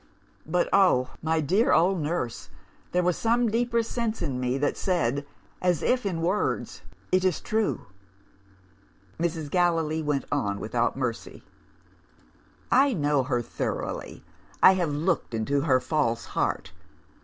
But, oh, my dear old nurse, there was some deeper sense in me that said, as if in words, It is true! "Mrs. Gallilee went on, without mercy. "'I know her thoroughly; I have looked into her false heart.